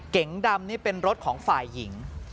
เก๋งดำนี่เป็นรถของฝ่ายหญิง